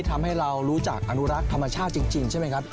ทำให้เรารู้จักอนุรักษ์ธรรมชาติจริงใช่ไหมครับ